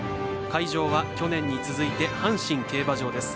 会場は去年に続いて阪神競馬場です。